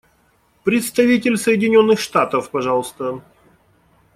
Представитель Соединенных Штатов, пожалуйста.